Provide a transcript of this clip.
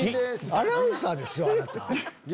アナウンサーですよあなた。